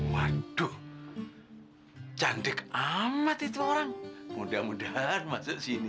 waduh cantik amat itu orang mudah mudahan masuk sini